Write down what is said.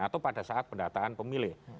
atau pada saat pendataan pemilih